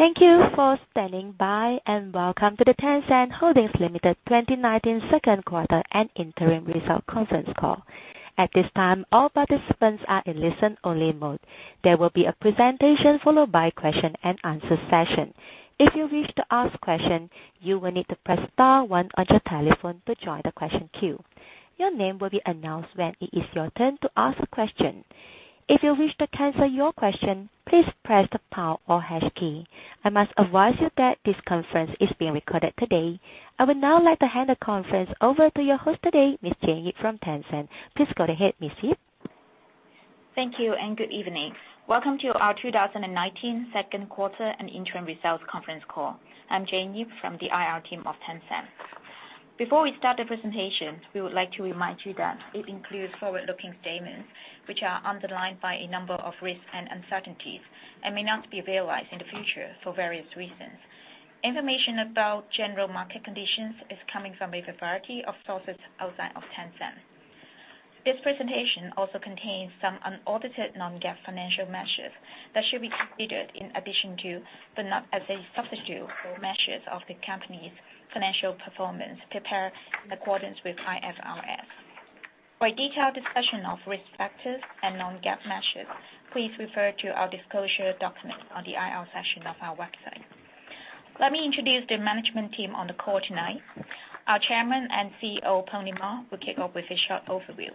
Thank you for standing by. Welcome to the Tencent Holdings Limited 2019 second quarter and interim results conference call. At this time, all participants are in listen-only mode. There will be a presentation followed by a question and answer session. If you wish to ask a question, you will need to press star one on your telephone to join the question queue. Your name will be announced when it is your turn to ask a question. If you wish to cancel your question, please press the pound or hash key. I must advise you that this conference is being recorded today. I would now like to hand the conference over to your host today, Ms. Jane Yip from Tencent. Please go ahead, Ms. Yip. Thank you. Good evening. Welcome to our 2019 second quarter and interim results conference call. I'm Jane Yip from the IR team of Tencent. Before we start the presentation, we would like to remind you that it includes forward-looking statements, which are underlined by a number of risks and uncertainties and may not be available in the future for various reasons. Information about general market conditions is coming from a variety of sources outside of Tencent. This presentation also contains some unaudited non-GAAP financial measures that should be considered in addition to, but not as a substitute for, measures of the company's financial performance prepared in accordance with IFRS. For a detailed discussion of risk factors and non-GAAP measures, please refer to our disclosure documents on the IR section of our website. Let me introduce the management team on the call tonight. Our Chairman and CEO, Pony Ma, will kick off with a short overview.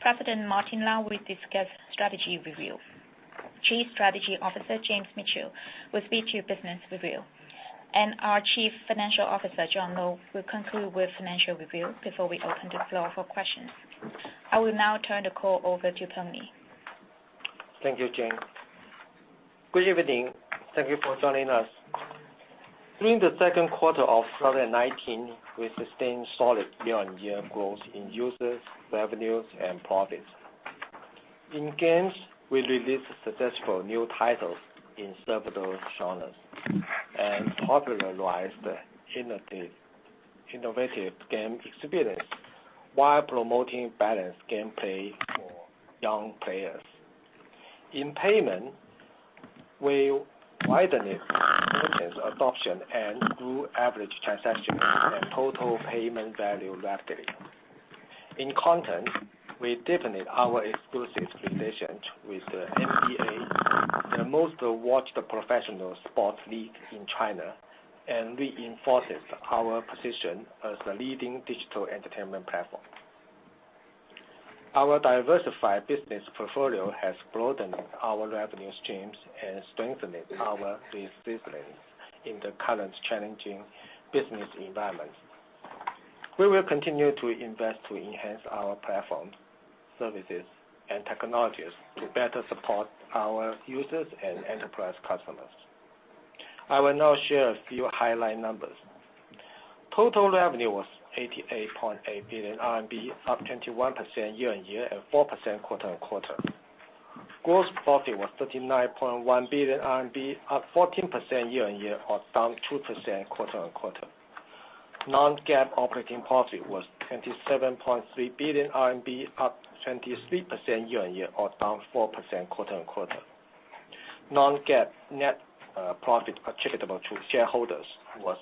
President Martin Lau will discuss strategy review. Chief Strategy Officer James Mitchell will speak to business review. Our Chief Financial Officer, John Lo, will conclude with financial review before we open the floor for questions. I will now turn the call over to Pony. Thank you, Jane. Good evening. Thank you for joining us. During the second quarter of 2019, we sustained solid year-on-year growth in users, revenues, and profits. In games, we released successful new titles in several genres and popularized innovative game experience while promoting balanced gameplay for young players. In payment, we widened merchants adoption and grew average transactions and total payment value rapidly. In content, we deepened our exclusive relations with the NBA, the most-watched professional sports league in China, and reinforced our position as a leading digital entertainment platform. Our diversified business portfolio has broadened our revenue streams and strengthened our resilience in the current challenging business environment. We will continue to invest to enhance our platform, services, and technologies to better support our users and enterprise customers. I will now share a few highlight numbers. Total revenue was 88.8 billion RMB, up 21% year-on-year and 4% quarter-on-quarter. Gross profit was 39.1 billion RMB, up 14% year-on-year or down 2% quarter-on-quarter. Non-GAAP operating profit was 27.3 billion RMB, up 23% year-on-year or down 4% quarter-on-quarter. Non-GAAP net profit attributable to shareholders was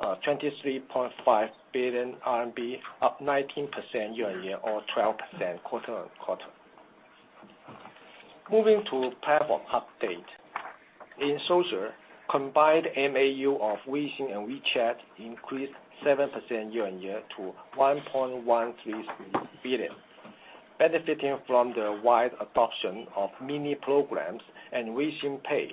23.5 billion RMB, up 19% year-on-year or 12% quarter-on-quarter. Moving to platform update. In social, combined MAU of Weixin and WeChat increased 7% year-on-year to 1.13 billion, benefiting from the wide adoption of Mini Programs and Weixin Pay.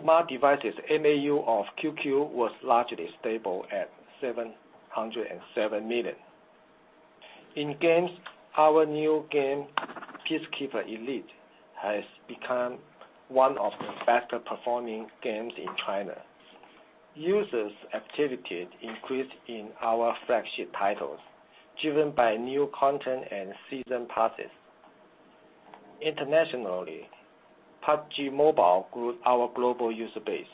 Smart devices MAU of QQ was largely stable at 707 million. In games, our new game, Peacekeeper Elite, has become one of the best-performing games in China. Users' activity increased in our flagship titles, driven by new content and season passes. Internationally, PUBG Mobile grew our global user base.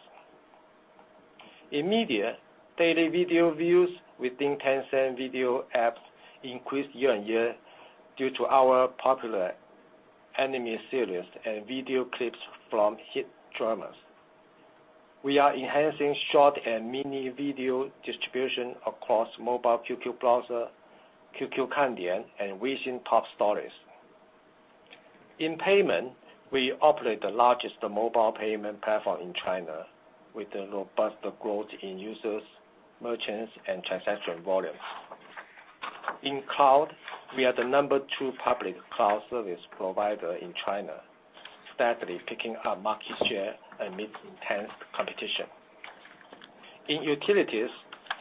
In media, daily video views within Tencent Video apps increased year-on-year due to our popular anime series and video clips from hit dramas. We are enhancing short and mini video distribution across mobile QQ Browser, QQ Kandian, and Weixin Top Stories. In payment, we operate the largest mobile payment platform in China, with robust growth in users, merchants, and transaction volumes. In cloud, we are the number 2 public cloud service provider in China, steadily picking up market share amidst intense competition. In utilities,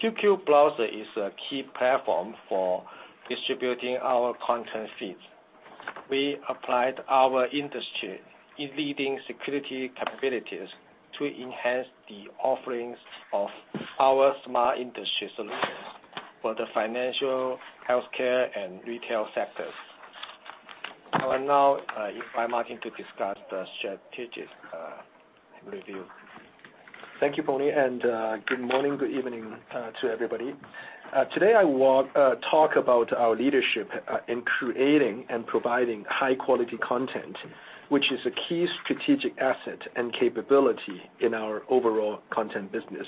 QQ Browser is a key platform for distributing our content feeds. We applied our industry-leading security capabilities to enhance the offerings of our smart industry solutions for the financial, healthcare, and retail sectors. I will now invite Martin to discuss the strategic review. Thank you, Pony. Good morning, good evening to everybody. Today I will talk about our leadership in creating and providing high-quality content, which is a key strategic asset and capability in our overall content business.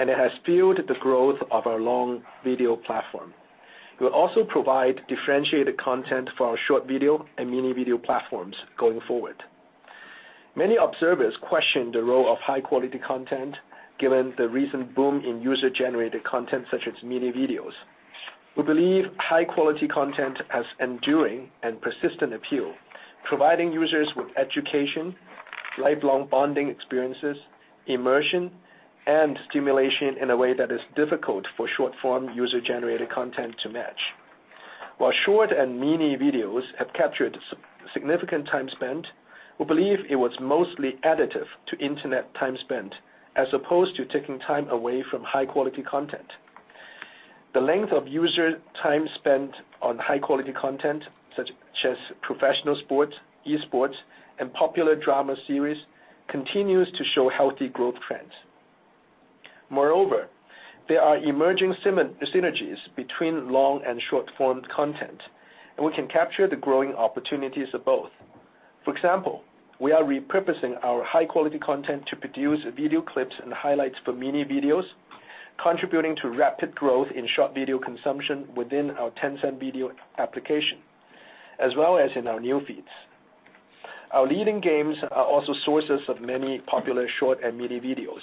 It has fueled the growth of our long video platform. We'll also provide differentiated content for our short video and mini video platforms going forward. Many observers question the role of high-quality content given the recent boom in user-generated content such as mini videos. We believe high-quality content has enduring and persistent appeal, providing users with education, lifelong bonding experiences, immersion, and stimulation in a way that is difficult for short-form user-generated content to match. While short and mini videos have captured significant time spent, we believe it was mostly additive to Internet time spent as opposed to taking time away from high-quality content. The length of user time spent on high-quality content such as professional sports, esports, and popular drama series continues to show healthy growth trends. Moreover, there are emerging synergies between long and short-formed content, and we can capture the growing opportunities of both. For example, we are repurposing our high-quality content to produce video clips and highlights for mini videos, contributing to rapid growth in short video consumption within our Tencent Video application, as well as in our news feeds. Our leading games are also sources of many popular short and mini videos.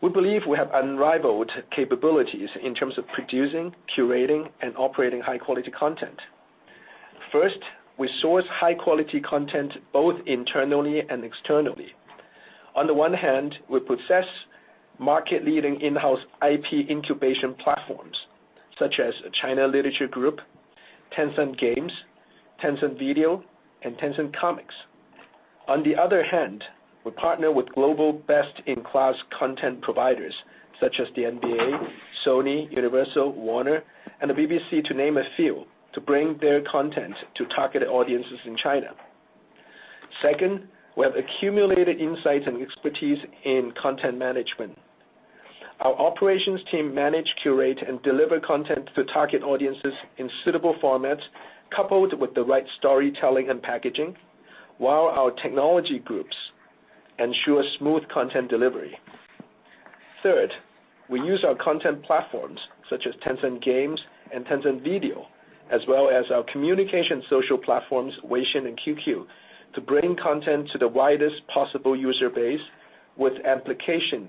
We believe we have unrivaled capabilities in terms of producing, curating, and operating high-quality content. First, we source high-quality content both internally and externally. On the one hand, we possess market-leading in-house IP incubation platforms, such as China Literature, Tencent Games, Tencent Video, and Tencent Comics. On the other hand, we partner with global best-in-class content providers such as the NBA, Sony, Universal, Warner, and the BBC, to name a few, to bring their content to targeted audiences in China. Second, we have accumulated insights and expertise in content management. Our operations team manage, curate, and deliver content to target audiences in suitable formats, coupled with the right storytelling and packaging, while our technology groups ensure smooth content delivery. Third, we use our content platforms such as Tencent Games and Tencent Video, as well as our communication social platforms, Weixin and QQ, to bring content to the widest possible user base with amplification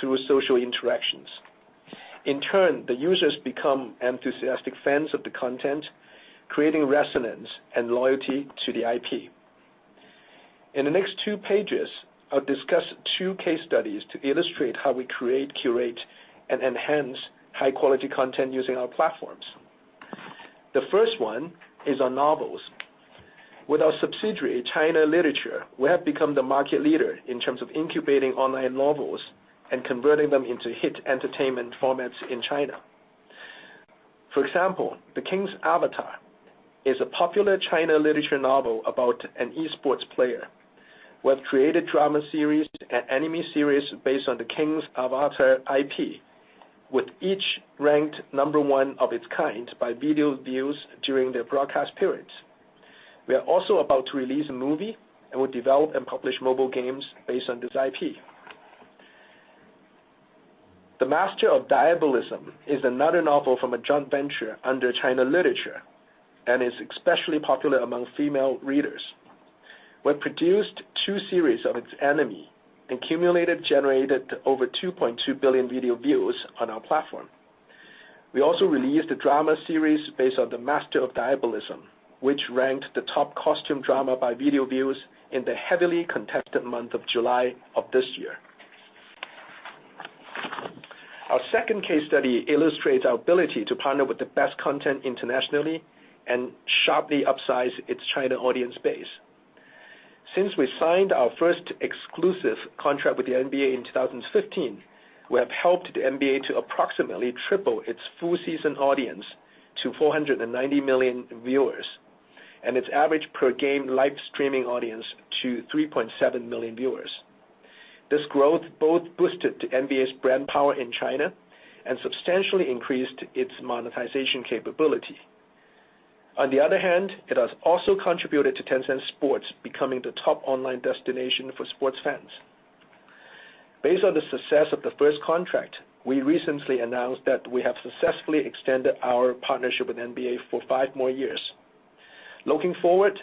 through social interactions. In turn, the users become enthusiastic fans of the content, creating resonance and loyalty to the IP. In the next two pages, I'll discuss two case studies to illustrate how we create, curate, and enhance high-quality content using our platforms. The first one is our novels. With our subsidiary, China Literature, we have become the market leader in terms of incubating online novels and converting them into hit entertainment formats in China. For example, "The King's Avatar" is a popular China Literature novel about an esports player. We have created drama series and anime series based on The King's Avatar IP, with each ranked number one of its kind by video views during their broadcast periods. We are also about to release a movie, and we'll develop and publish mobile games based on this IP. "The Master of Diabolism" is another novel from a joint venture under China Literature and is especially popular among female readers. We produced two series of its anime and cumulated generated over 2.2 billion video views on our platform. We also released a drama series based on "The Master of Diabolism," which ranked the top costume drama by video views in the heavily contested month of July of this year. Our second case study illustrates our ability to partner with the best content internationally and sharply upsize its China audience base. Since we signed our first exclusive contract with the NBA in 2015, we have helped the NBA to approximately triple its full-season audience to 490 million viewers, and its average per-game live streaming audience to 3.7 million viewers. This growth both boosted the NBA's brand power in China and substantially increased its monetization capability. On the other hand, it has also contributed to Tencent Sports becoming the top online destination for sports fans. Based on the success of the first contract, we recently announced that we have successfully extended our partnership with NBA for five more years. Looking forward,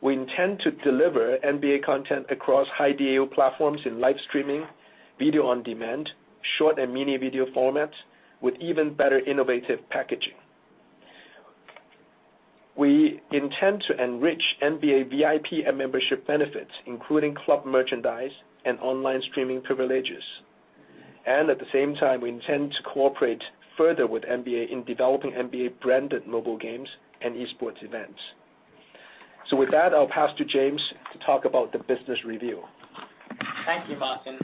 we intend to deliver NBA content across high DAU platforms in live streaming, video on demand, short and mini video formats with even better innovative packaging. We intend to enrich NBA VIP and membership benefits, including club merchandise and online streaming privileges. At the same time, we intend to cooperate further with NBA in developing NBA-branded mobile games and esports events. With that, I'll pass to James to talk about the business review. Thank you, Martin.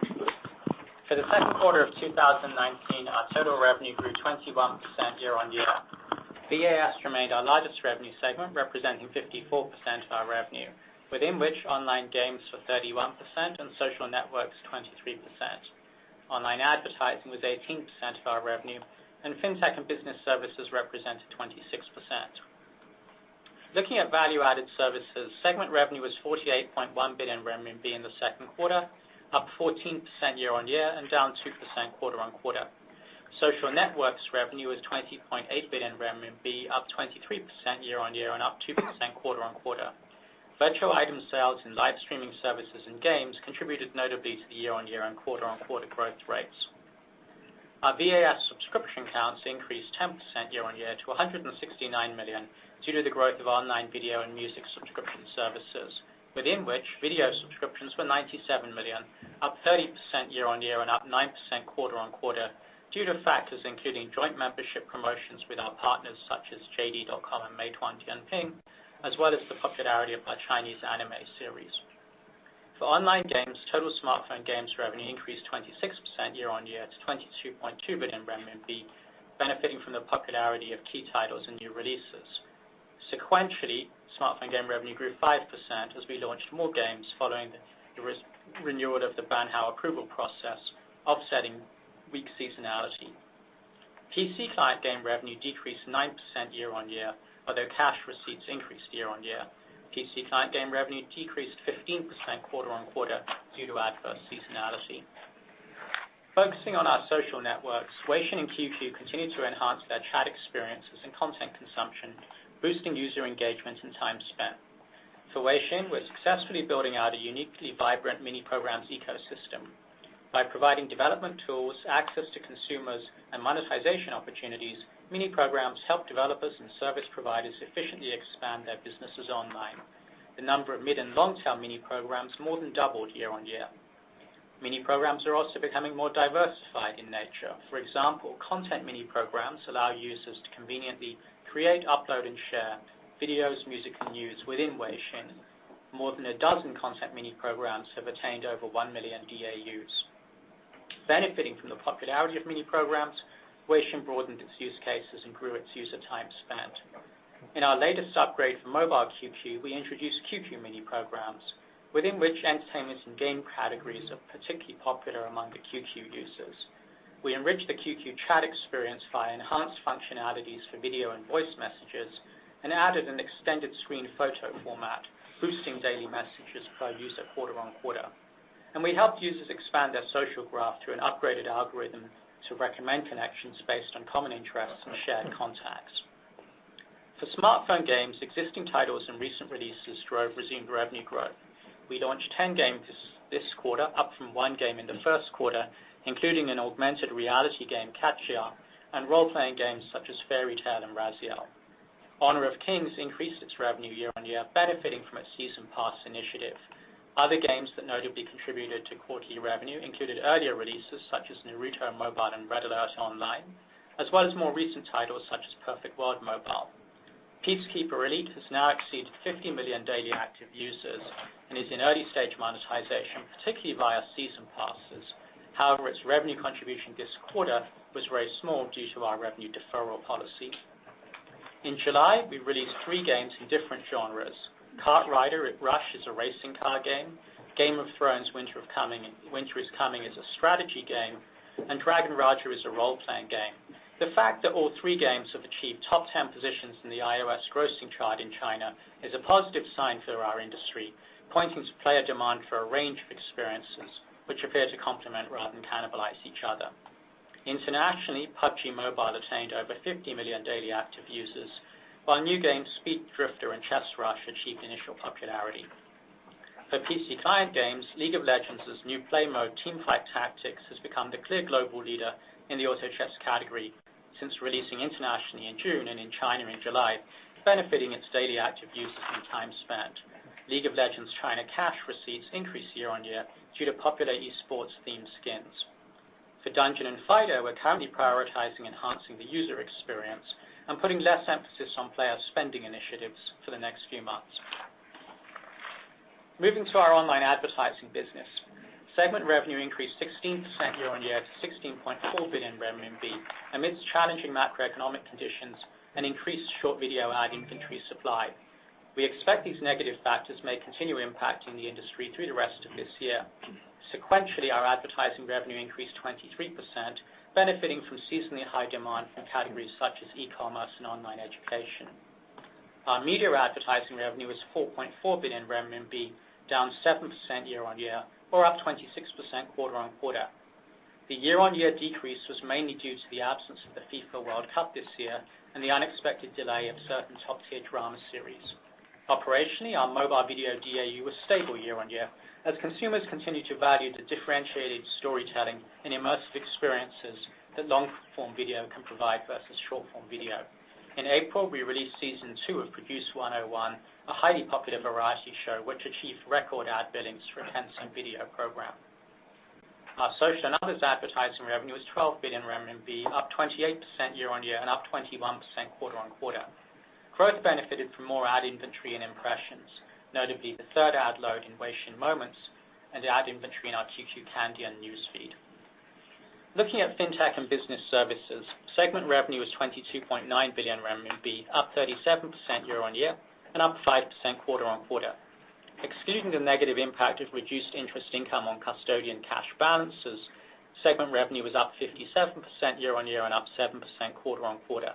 For the second quarter of 2019, our total revenue grew 21% year-on-year. VAS remained our largest revenue segment, representing 54% of our revenue, within which online games were 31% and social networks 23%. Online advertising was 18% of our revenue, and FinTech and business services represented 26%. Looking at Value-Added Services, segment revenue was 48.1 billion RMB in the second quarter, up 14% year-on-year and down 2% quarter-on-quarter. Social networks revenue was 20.8 billion RMB, up 23% year-on-year and up 2% quarter-on-quarter. Virtual item sales and live streaming services and games contributed notably to the year-on-year and quarter-on-quarter growth rates. Our VAS subscription counts increased 10% year-on-year to 169 million due to the growth of online video and music subscription services, within which video subscriptions were 97 million, up 30% year-on-year and up 9% quarter-on-quarter due to factors including joint membership promotions with our partners such as JD.com and Meituan-Dianping, as well as the popularity of our Chinese anime series. For online games, total smartphone games revenue increased 26% year-on-year to 22.2 billion renminbi, benefiting from the popularity of key titles and new releases. Sequentially, smartphone game revenue grew 5% as we launched more games following the renewal of the Ban Hao approval process, offsetting weak seasonality. PC client game revenue decreased 9% year-on-year, although cash receipts increased year-on-year. PC client game revenue decreased 15% quarter-on-quarter due to adverse seasonality. Focusing on our social networks, WeChat and QQ continued to enhance their chat experiences and content consumption, boosting user engagement and time spent. For WeChat, we're successfully building out a uniquely vibrant Mini Programs ecosystem. By providing development tools, access to consumers, and monetization opportunities, Mini Programs help developers and service providers efficiently expand their businesses online. The number of mid- and long-tail Mini Programs more than doubled year-on-year. Mini Programs are also becoming more diversified in nature. For example, content Mini Programs allow users to conveniently create, upload, and share videos, music, and news within WeChat. More than a dozen content Mini Programs have attained over 1 million DAUs. Benefiting from the popularity of Mini Programs, WeChat broadened its use cases and grew its user time spent. In our latest upgrade for Mobile QQ, we introduced QQ Mini Programs, within which entertainment and game categories are particularly popular among the QQ users. We enriched the QQ chat experience via enhanced functionalities for video and voice messages and added an extended screen photo format, boosting daily messages per user quarter-on-quarter. We helped users expand their social graph through an upgraded algorithm to recommend connections based on common interests and shared contacts. For smartphone games, existing titles and recent releases resumed revenue growth. We launched 10 games this quarter, up from one game in the first quarter, including an augmented reality game, Let's Hunt Monsters, and role-playing games such as Fairy Tail and Raziel. Honor of Kings increased its revenue year-on-year, benefiting from its season pass initiative. Other games that notably contributed to quarterly revenue included earlier releases such as Naruto Mobile and Red Alert Online, as well as more recent titles such as Perfect World Mobile. Peacekeeper Elite has now exceeded 50 million daily active users and is in early-stage monetization, particularly via season passes. Its revenue contribution this quarter was very small due to our revenue deferral policy. In July, we released three games in different genres. KartRider Rush+ is a racing car game, Game of Thrones Winter is Coming is a strategy game, and Dragon Raja is a role-playing game. The fact that all three games have achieved top 10 positions in the iOS grossing chart in China is a positive sign for our industry, pointing to player demand for a range of experiences which appear to complement rather than cannibalize each other. Internationally, PUBG Mobile attained over 50 million daily active users, while new games Speed Drifters and Chess Rush achieved initial popularity. For PC client games, League of Legends' new play mode, Teamfight Tactics, has become the clear global leader in the auto chess category since releasing internationally in June and in China in July, benefiting its daily active users and time spent. League of Legends China cash receipts increased year-on-year due to popular esports-themed skins. For Dungeon & Fighter, we're currently prioritizing enhancing the user experience and putting less emphasis on player spending initiatives for the next few months. Moving to our online advertising business, segment revenue increased 16% year-on-year to 16.4 billion renminbi amidst challenging macroeconomic conditions and increased short video ad inventory supply. We expect these negative factors may continue impacting the industry through the rest of this year. Sequentially, our advertising revenue increased 23%, benefiting from seasonally high demand from categories such as e-commerce and online education. Our media advertising revenue was 4.4 billion RMB, down 7% year-on-year or up 26% quarter-on-quarter. The year-on-year decrease was mainly due to the absence of the FIFA World Cup this year and the unexpected delay of certain top-tier drama series. Operationally, our mobile video DAU was stable year-on-year as consumers continued to value the differentiated storytelling and immersive experiences that long-form video can provide versus short-form video. In April, we released season two of Produce 101, a highly popular variety show which achieved record ad billings for a Tencent Video program. Our social and others advertising revenue was 12 billion RMB, up 28% year-on-year and up 21% quarter-on-quarter. Growth benefited from more ad inventory and impressions, notably the third ad load in Weixin Moments and the ad inventory in our QQ Kandian and news feed. Looking at FinTech and Business Services, segment revenue was 22.9 billion RMB, up 37% year-on-year and up 5% quarter-on-quarter. Excluding the negative impact of reduced interest income on custodian cash balances, segment revenue was up 57% year-on-year and up 7% quarter-on-quarter.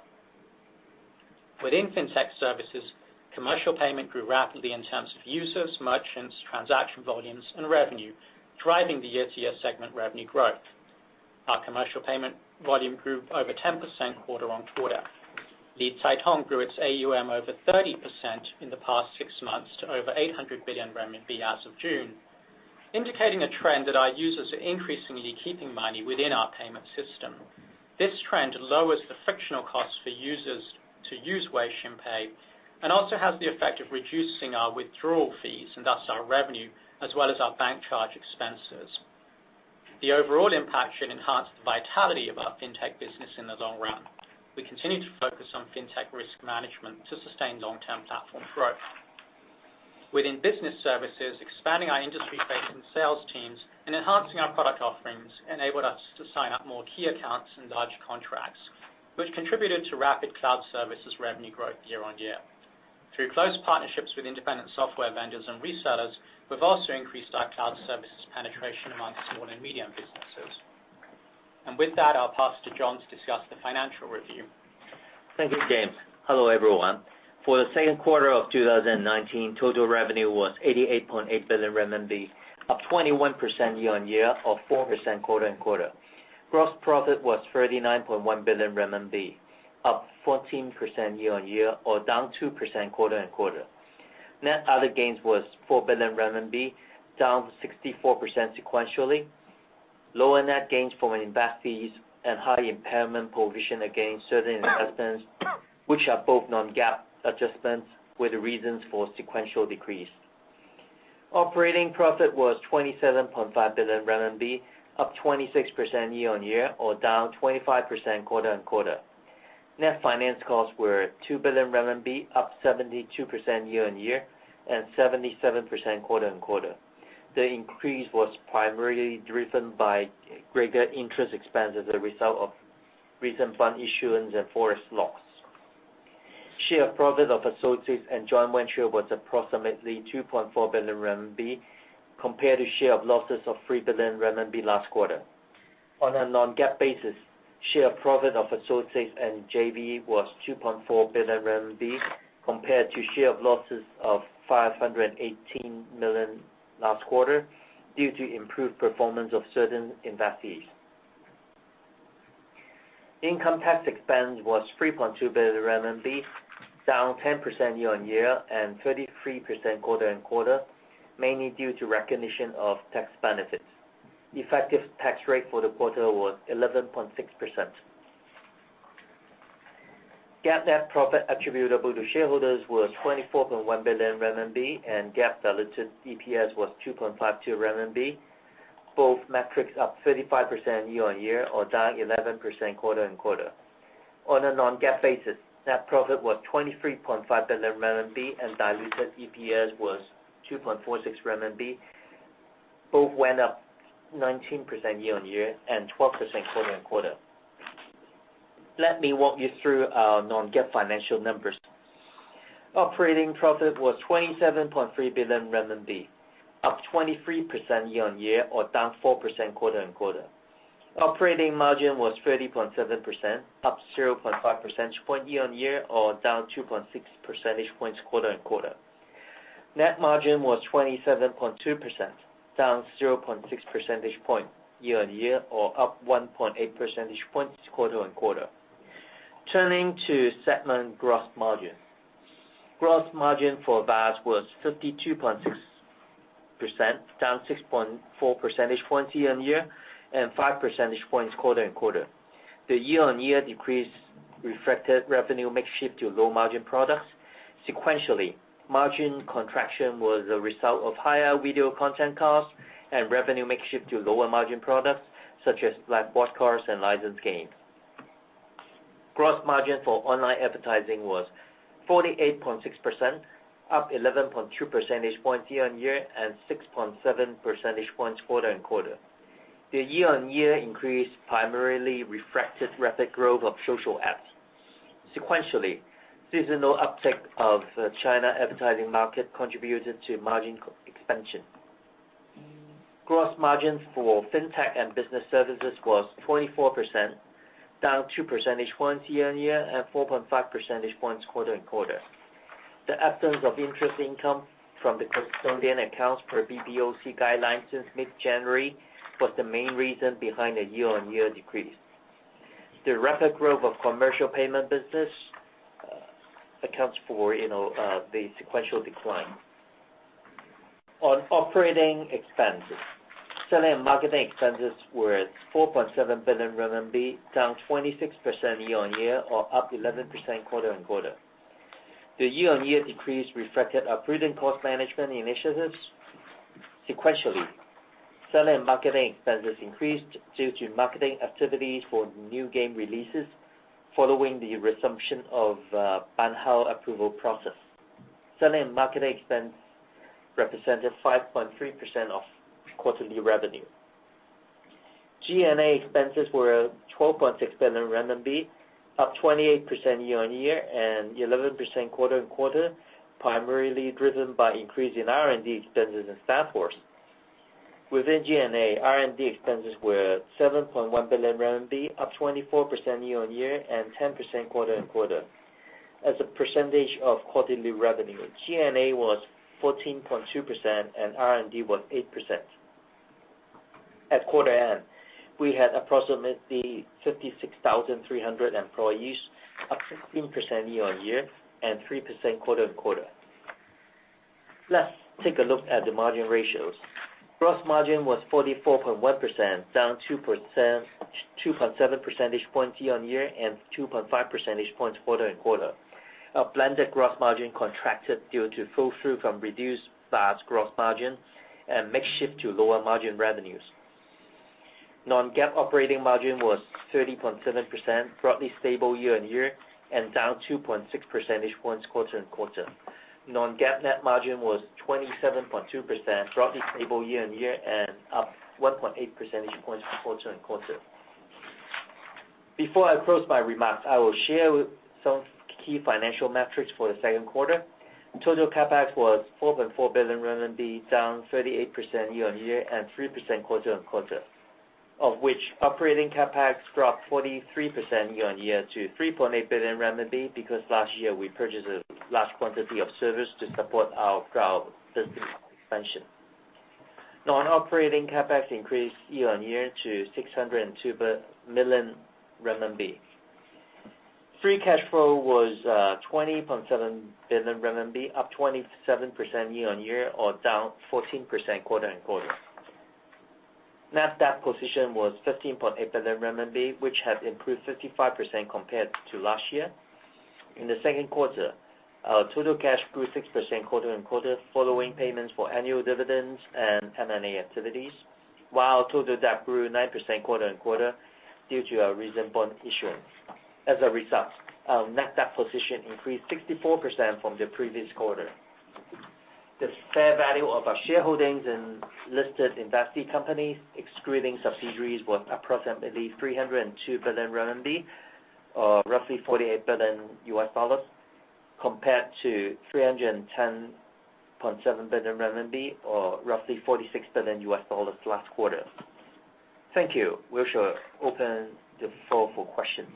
Within FinTech services, commercial payment grew rapidly in terms of users, merchants, transaction volumes, and revenue, driving the year-to-year segment revenue growth. Our commercial payment volume grew over 10% quarter-on-quarter. LiCaiTong grew its AUM over 30% in the past six months to over 800 billion renminbi as of June, indicating a trend that our users are increasingly keeping money within our payment system. This trend lowers the frictional costs for users to use Weixin Pay and also has the effect of reducing our withdrawal fees, and thus our revenue, as well as our bank charge expenses. The overall impact should enhance the vitality of our FinTech business in the long run. We continue to focus on FinTech risk management to sustain long-term platform growth. Within business services, expanding our industry-facing sales teams and enhancing our product offerings enabled us to sign up more key accounts and larger contracts, which contributed to rapid cloud services revenue growth year-on-year. Through close partnerships with independent software vendors and resellers, we've also increased our cloud services penetration among small and medium businesses. With that, I'll pass to James to discuss the financial review. Thank you, James. Hello, everyone. For the second quarter of 2019, total revenue was 88.8 billion RMB, up 21% year-on-year or 4% quarter-on-quarter. Gross profit was 39.1 billion renminbi, up 14% year-on-year or down 2% quarter-on-quarter. Net other gains was 4 billion renminbi, down 64% sequentially. Lower net gains from investees and high impairment provision against certain investments, which are both non-GAAP adjustments, were the reasons for sequential decrease. Operating profit was 27.5 billion RMB, up 26% year-on-year or down 25% quarter-on-quarter. Net finance costs were 2 billion renminbi, up 72% year-on-year and 77% quarter-on-quarter. The increase was primarily driven by greater interest expense as a result of recent fund issuance and forex loss. Share profit of associates and joint venture was approximately 2.4 billion RMB, compared to share of losses of 3 billion RMB last quarter. On a non-GAAP basis, share profit of associates and JV was 2.4 billion RMB, compared to share of losses of 518 million last quarter due to improved performance of certain investees. Income tax expense was 3.2 billion RMB, down 10% year-on-year and 33% quarter-on-quarter, mainly due to recognition of tax benefits. Effective tax rate for the quarter was 11.6%. GAAP net profit attributable to shareholders was 24.1 billion RMB, and GAAP diluted EPS was 2.52 RMB, both metrics up 35% year-on-year or down 11% quarter-on-quarter. On a non-GAAP basis, net profit was 23.5 billion RMB and diluted EPS was 2.46 RMB, both went up 19% year-on-year and 12% quarter-on-quarter. Let me walk you through our non-GAAP financial numbers. Operating profit was 27.3 billion renminbi, up 23% year-on-year or down 4% quarter-on-quarter. Operating margin was 30.7%, up 0.5 percentage point year-on-year or down 2.6 percentage points quarter-on-quarter. Net margin was 27.2%, down 0.6 percentage point year-on-year or up 1.8 percentage points quarter-on-quarter. Turning to segment gross margin. Gross margin for VAS was 52.6%, down 6.4 percentage points year-on-year and five percentage points quarter-on-quarter. The year-on-year decrease reflected revenue mix shift to low-margin products. Sequentially, margin contraction was a result of higher video content costs and revenue mix shift to lower-margin products, such as live broadcast VAS and licensed games. Gross margin for online advertising was 48.6%, up 11.2 percentage points year-on-year and 6.7 percentage points quarter-on-quarter. The year-on-year increase primarily reflected rapid growth of social ads. Sequentially, seasonal uptick of China advertising market contributed to margin expansion. Gross margin for FinTech and business services was 24%, down two percentage points year-on-year and 4.5 percentage points quarter-on-quarter. The absence of interest income from the custodian accounts per PBOC guidelines since mid-January was the main reason behind the year-on-year decrease. The rapid growth of commercial payment business accounts for the sequential decline. On operating expenses, selling and marketing expenses were 4.7 billion RMB, down 26% year-on-year or up 11% quarter-on-quarter. The year-on-year decrease reflected our prudent cost management initiatives. Sequentially, selling and marketing expenses increased due to marketing activities for new game releases following the resumption of Ban Hao approval process. Selling and marketing expense represented 5.3% of quarterly revenue. G&A expenses were 12.6 billion renminbi, up 28% year-on-year and 11% quarter-on-quarter, primarily driven by increase in R&D expenses and staff costs. Within G&A, R&D expenses were 7.1 billion RMB, up 24% year-on-year and 10% quarter-on-quarter. As a percentage of quarterly revenue, G&A was 14.2% and R&D was 8%. At quarter end, we had approximately 56,300 employees, up 16% year-on-year and 3% quarter-on-quarter. Let's take a look at the margin ratios. Gross margin was 44.1%, down 2.7 percentage points year-on-year and 2.5 percentage points quarter-on-quarter. Our blended gross margin contracted due to flow through from reduced VAS gross margin and mix shift to lower margin revenues. Non-GAAP operating margin was 30.7%, broadly stable year-on-year and down 2.6 percentage points quarter-on-quarter. Non-GAAP net margin was 27.2%, broadly stable year-on-year and up 1.8 percentage points from quarter-on-quarter. Before I close my remarks, I will share some key financial metrics for the second quarter. Total CapEx was 4.4 billion RMB, down 38% year-on-year and 3% quarter-on-quarter. Of which operating CapEx dropped 43% year-on-year to 3.8 billion RMB because last year we purchased a large quantity of servers to support our cloud system expansion. Non-operating CapEx increased year-on-year to 602 million renminbi. Free cash flow was 20.7 billion renminbi, up 27% year-on-year or down 14% quarter-on-quarter. Net debt position was 15.8 billion RMB, which has improved 55% compared to last year. In the second quarter, our total cash grew 6% quarter-on-quarter following payments for annual dividends and M&A activities, while total debt grew 9% quarter-on-quarter due to our recent bond issuance. As a result, our net debt position increased 64% from the previous quarter. The fair value of our shareholdings in listed investee companies, excluding subsidiaries, was approximately 302 billion RMB, or roughly $48 billion, compared to 310.7 billion RMB, or roughly $46 billion last quarter. Thank you. We'll sure open the floor for questions.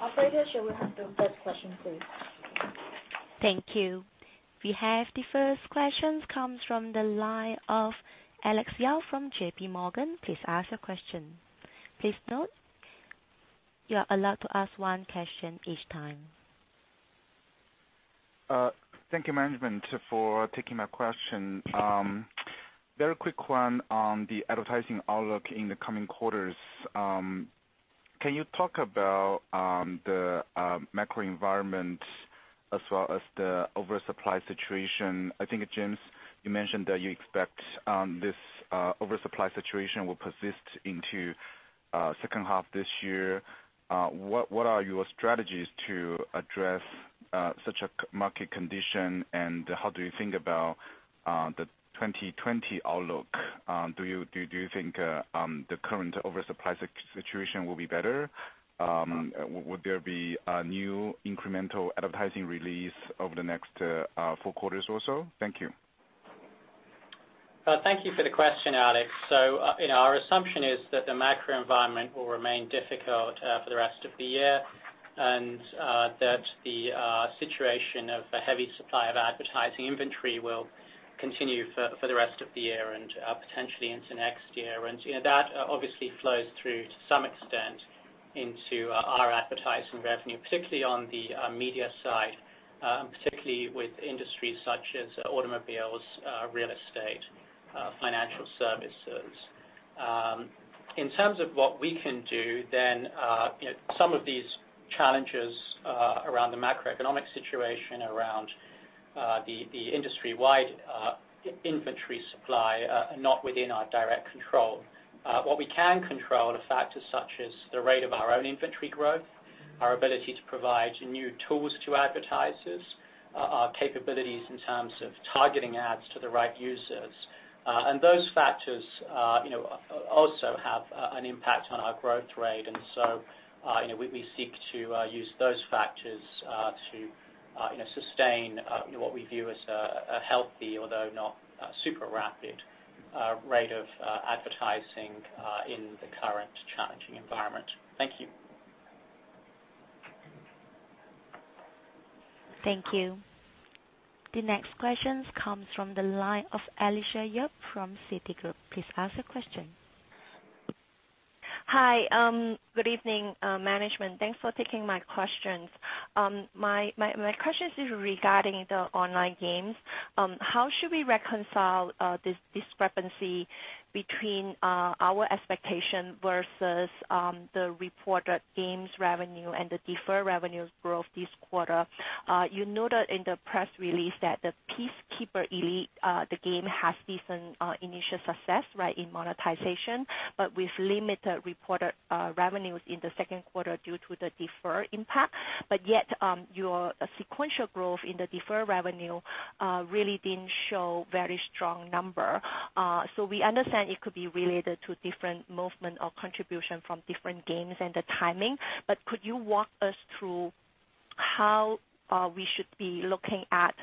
Operator, shall we have the first question, please? Thank you. We have the first question comes from the line of Alex Yao from JPMorgan. Please ask your question. Please note you are allowed to ask one question each time. Thank you, management, for taking my question. Very quick one on the advertising outlook in the coming quarters. Can you talk about the macro environment as well as the oversupply situation? I think, James, you mentioned that you expect this oversupply situation will persist into second half this year. What are your strategies to address such a market condition, how do you think about the 2020 outlook? Do you think the current oversupply situation will be better? Will there be a new incremental advertising release over the next four quarters or so? Thank you. Thank you for the question, Alex. Our assumption is that the macro environment will remain difficult for the rest of the year, and that the situation of a heavy supply of advertising inventory will continue for the rest of the year and potentially into next year. That obviously flows through to some extent into our advertising revenue, particularly on the media side, particularly with industries such as automobiles, real estate, financial services. In terms of what we can do, some of these challenges around the macroeconomic situation, around the industry-wide inventory supply are not within our direct control. What we can control are factors such as the rate of our own inventory growth, our ability to provide new tools to advertisers, our capabilities in terms of targeting ads to the right users. Those factors also have an impact on our growth rate, and so we seek to use those factors to sustain what we view as a healthy, although not super rapid, rate of advertising in the current challenging environment. Thank you. Thank you. The next question comes from the line of Alicia Yap from Citigroup. Please ask your question. Hi. Good evening, management. Thanks for taking my questions. My question is regarding the online games. How should we reconcile this discrepancy between our expectation versus the reported games revenue and the deferred revenues growth this quarter? You noted in the press release that the Peacekeeper Elite, the game has decent initial success in monetization, yet with limited reported revenues in the second quarter due to the defer impact. Yet, your sequential growth in the deferred revenue really didn't show very strong number. We understand it could be related to different movement or contribution from different games and the timing, but could you walk us through how we should be looking at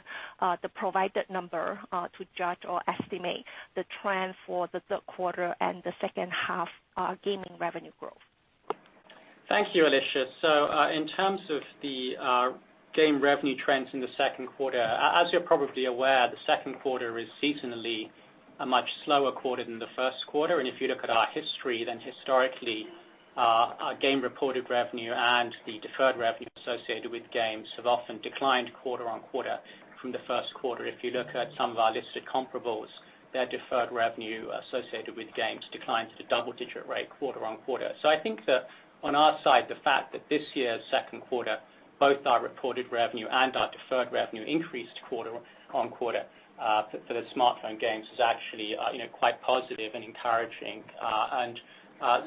the provided number to judge or estimate the trend for the third quarter and the second half gaming revenue growth? Thank you, Alicia. In terms of the game revenue trends in the second quarter, as you're probably aware, the second quarter is seasonally a much slower quarter than the first quarter. If you look at our history, historically, our game-reported revenue and the deferred revenue associated with games have often declined quarter on quarter from the first quarter. If you look at some of our listed comparables, their deferred revenue associated with games declines at a double-digit rate quarter on quarter. I think that on our side, the fact that this year's second quarter, both our reported revenue and our deferred revenue increased quarter on quarter for the smartphone games is actually quite positive and encouraging.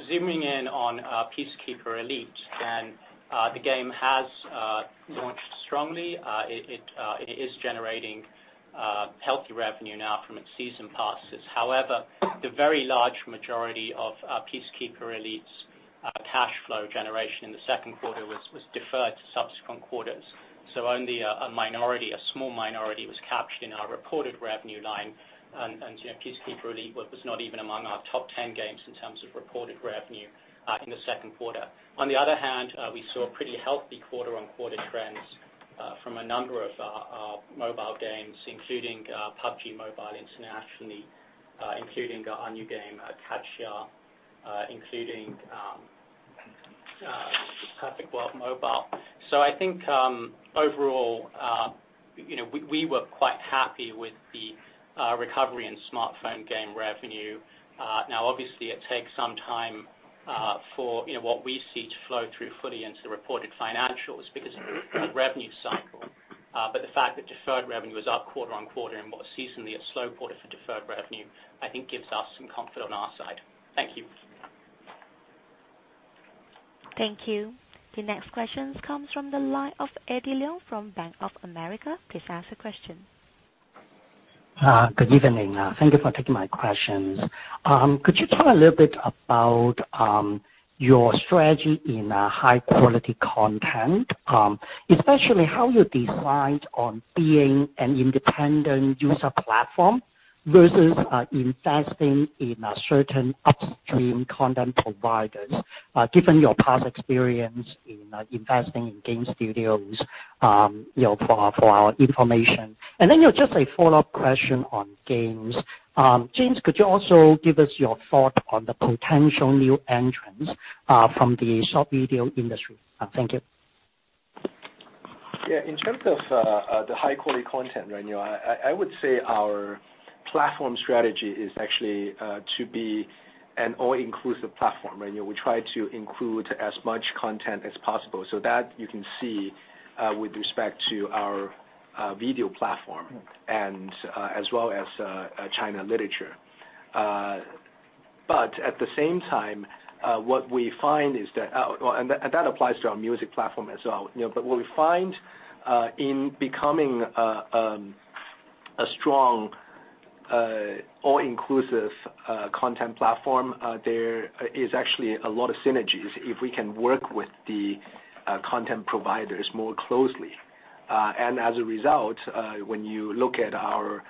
Zooming in on Peacekeeper Elite, and the game has launched strongly. It is generating healthy revenue now from its season passes. The very large majority of Peacekeeper Elite's cash flow generation in the second quarter was deferred to subsequent quarters. Only a small minority was captured in our reported revenue line, and Peacekeeper Elite was not even among our top 10 games in terms of reported revenue in the second quarter. On the other hand, we saw pretty healthy quarter-on-quarter trends from a number of our mobile games, including PUBG Mobile internationally, including our new game, Katsua, including Perfect World Mobile. I think, overall we were quite happy with the recovery in smartphone game revenue. Now, obviously, it takes some time for what we see to flow through fully into the reported financials because of the revenue cycle. The fact that deferred revenue is up quarter-on-quarter in what is seasonally a slow quarter for deferred revenue, I think gives us some comfort on our side. Thank you. Thank you. The next question comes from the line of Eddie Leung from Bank of America. Please ask the question. Good evening. Thank you for taking my questions. Could you talk a little bit about your strategy in high-quality content, especially how you decide on being an independent user platform versus investing in certain upstream content providers given your past experience in investing in game studios for our information? Just a follow-up question on games. James, could you also give us your thought on the potential new entrants from the short video industry? Thank you. Yeah. In terms of the high-quality content right now, I would say our platform strategy is actually to be an all-inclusive platform. We try to include as much content as possible, so that you can see with respect to our video platform and as well as China Literature. At the same time, what we find is that that applies to our music platform as well. What we find in becoming a strong all-inclusive content platform, there is actually a lot of synergies if we can work with the content providers more closely. As a result, when you look at our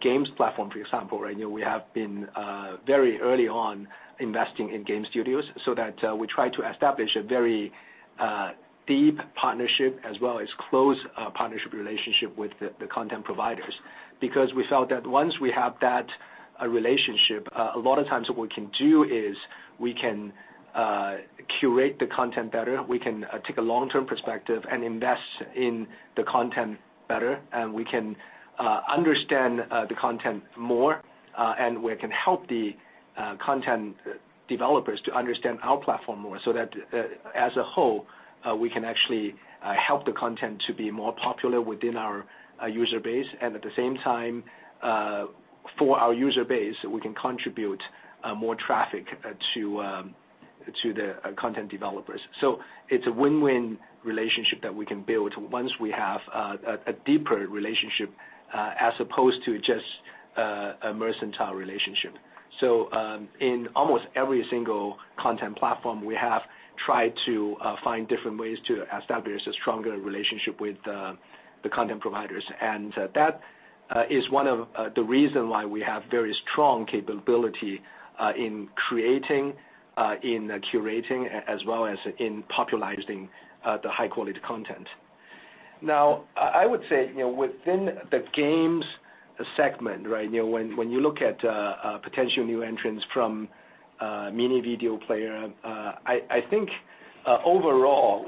games platform, for example, we have been very early on investing in game studios so that we try to establish a very deep partnership as well as close partnership relationship with the content providers. Because we felt that once we have that relationship, a lot of times what we can do is we can curate the content better, we can take a long-term perspective and invest in the content better, and we can understand the content more, and we can help the content developers to understand our platform more, so that as a whole, we can actually help the content to be more popular within our user base. At the same time, for our user base, we can contribute more traffic to the content developers. It's a win-win relationship that we can build once we have a deeper relationship as opposed to just a mercantile relationship. In almost every single content platform, we have tried to find different ways to establish a stronger relationship with the content providers. That is one of the reason why we have very strong capability in creating, in curating, as well as in popularizing the high-quality content. Now, I would say within the games segment, when you look at potential new entrants from mini video player, I think overall,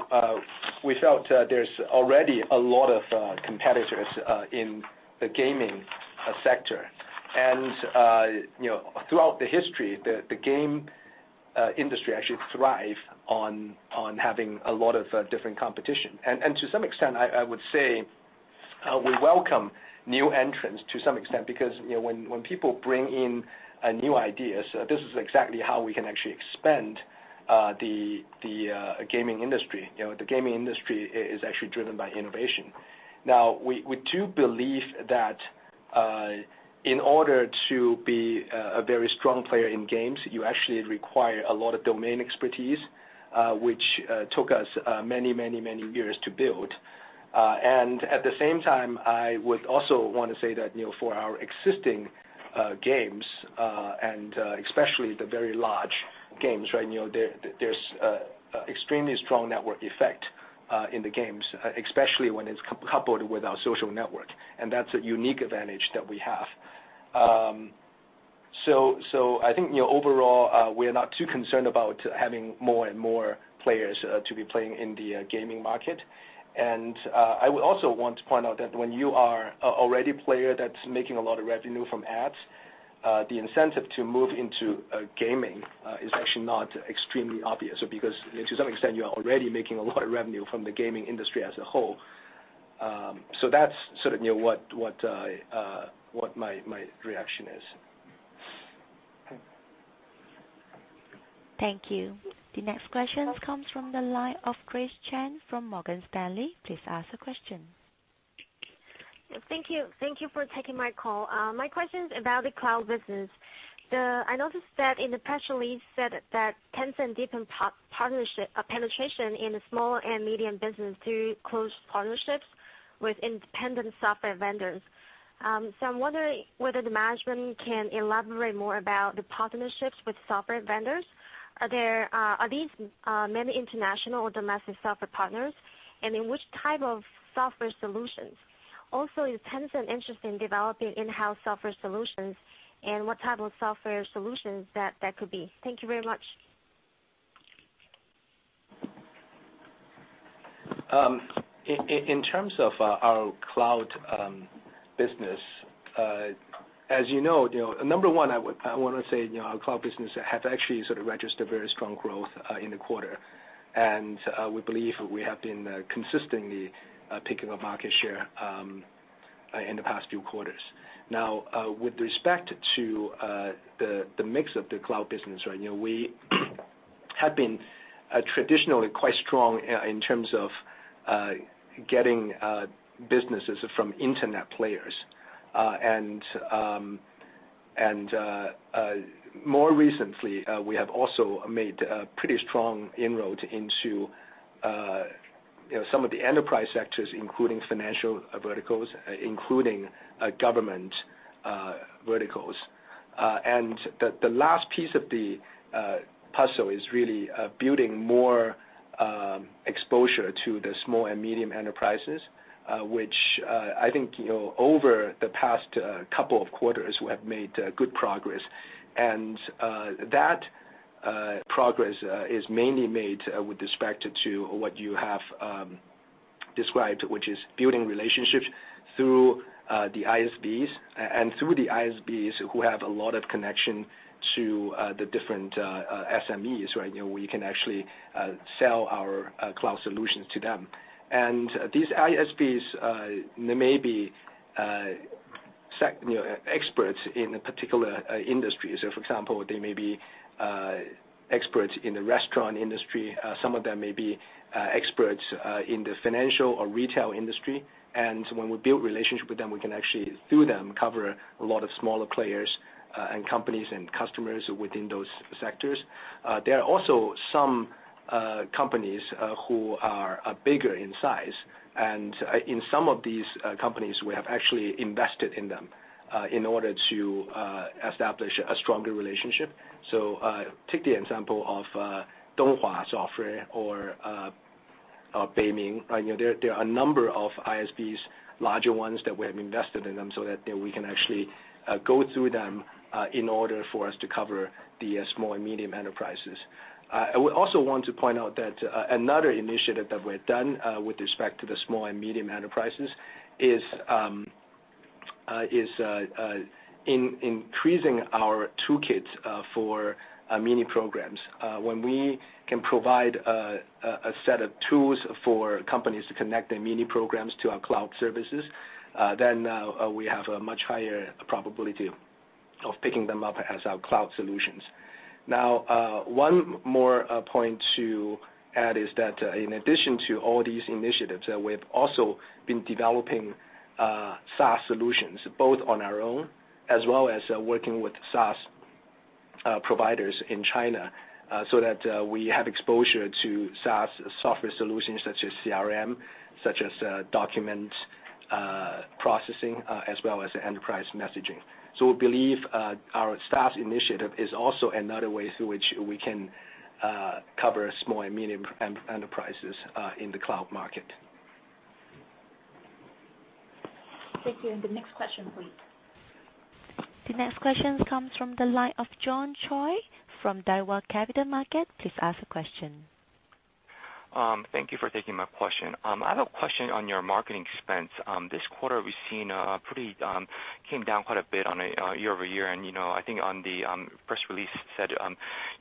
we felt there's already a lot of competitors in the gaming sector. Throughout the history, the game industry actually thrive on having a lot of different competition. To some extent, I would say we welcome new entrants to some extent, because when people bring in new ideas, this is exactly how we can actually expand the gaming industry. The gaming industry is actually driven by innovation. Now, we do believe that in order to be a very strong player in games, you actually require a lot of domain expertise, which took us many, many years to build. At the same time, I would also want to say that for our existing games, especially the very large games, there's extremely strong network effect in the games, especially when it's coupled with our social network. That's a unique advantage that we have. I think overall, we are not too concerned about having more and more players to be playing in the gaming market. I would also want to point out that when you are already a player that's making a lot of revenue from ads, the incentive to move into gaming is actually not extremely obvious, because to some extent, you are already making a lot of revenue from the gaming industry as a whole. That's sort of what my reaction is. Thank you. The next question comes from the line of Grace Chen from Morgan Stanley. Please ask the question. Thank you for taking my call. My question is about the cloud business. I noticed that in the press release said that Tencent deepened penetration in the small and medium business through close partnerships with independent software vendors. I'm wondering whether the management can elaborate more about the partnerships with software vendors. Are these mainly international or domestic software partners? In which type of software solutions? Also, is Tencent interested in developing in-house software solutions? What type of software solutions that could be? Thank you very much. In terms of our cloud business, as you know, number one, I want to say our cloud business have actually sort of registered very strong growth in the quarter. We believe we have been consistently picking up market share in the past few quarters. With respect to the mix of the cloud business, we have been traditionally quite strong in terms of getting businesses from Internet players. More recently, we have also made pretty strong inroads into some of the enterprise sectors, including financial verticals, including government verticals. The last piece of the puzzle is really building more exposure to the small and medium enterprises, which I think over the past couple of quarters, we have made good progress. That progress is mainly made with respect to what you have described, which is building relationships through the ISVs, and through the ISVs who have a lot of connection to the different SMEs, where we can actually sell our cloud solutions to them. These ISVs may be experts in a particular industry. For example, they may be experts in the restaurant industry, some of them may be experts in the financial or retail industry. When we build relationship with them, we can actually, through them, cover a lot of smaller players and companies and customers within those sectors. There are also some companies who are bigger in size, and in some of these companies, we have actually invested in them in order to establish a stronger relationship. Take the example of Donghua Software or Beiming. There are a number of ISVs, larger ones, that we have invested in them so that we can actually go through them in order for us to cover the small and medium enterprises. I would also want to point out that another initiative that we've done with respect to the small and medium enterprises is increasing our toolkits for Mini Programs. We have a much higher probability of picking them up as our cloud solutions. One more point to add is that in addition to all these initiatives, we've also been developing SaaS solutions, both on our own as well as working with SaaS providers in China, so that we have exposure to SaaS software solutions such as CRM. Processing, as well as enterprise messaging. We believe our SaaS initiative is also another way through which we can cover small and medium enterprises in the cloud market. Thank you. The next question please. The next question comes from the line of John Choi from Daiwa Capital Markets. Please ask the question. Thank you for taking my question. I have a question on your marketing expense. This quarter we've seen came down quite a bit on a year-over-year, and I think on the press release said